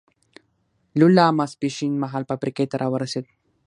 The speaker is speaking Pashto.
لولا ماسپښین مهال فابریکې ته را ورسېد.